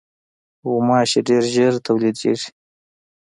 غوماشې ډېر ژر تولیدېږي.